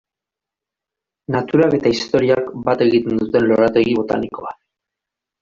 Naturak eta historiak bat egiten duten lorategi botanikoa.